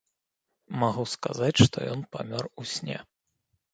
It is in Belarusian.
Магу сказаць, што ён памёр у сне.